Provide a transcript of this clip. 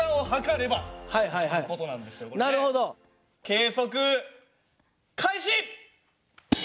計測開始！